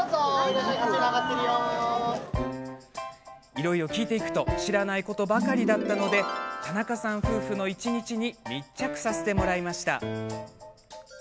いろいろ聞くと知らないことばかりだったので田中さん夫婦の一日に密着させてもらいました。